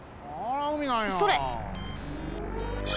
それ。